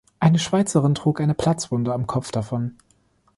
Eine Schweizerin trug eine Platzwunde am Kopf davon.